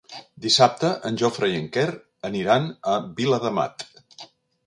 Dissabte en Jofre i en Quer aniran a Viladamat.